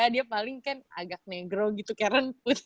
dia paling kan agak negro gitu karen